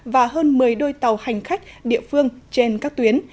và hơn một mươi đôi tàu hành khách địa phương trên các tuyến